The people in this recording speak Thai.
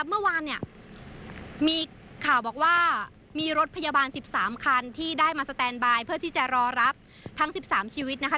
เมื่อวานเนี่ยมีข่าวบอกว่ามีรถพยาบาล๑๓คันที่ได้มาสแตนบายเพื่อที่จะรอรับทั้ง๑๓ชีวิตนะคะ